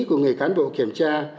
của người cán bộ kiểm tra